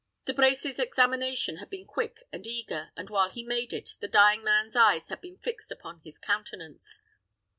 De Brecy's examination had been quick and eager, and while he made it, the dying man's eyes had been fixed upon his countenance.